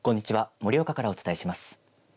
盛岡からお伝えします。